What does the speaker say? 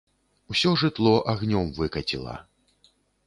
Усё жытло агнём выкаціла.